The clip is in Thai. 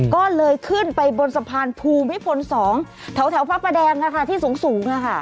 ก็เลยขึ้นไปบนสะพานภูมิพล๒แถวพระประแดงที่สูง